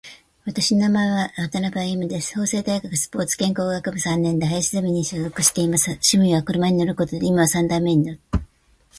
私の名前は渡辺歩です。法政大学スポーツ健康学部三年で林ゼミに所属しています。趣味は車に乗ることで、今は三台目に乗っていて、マニュアル車に乗っています。アメ車に乗っていた経験もあります。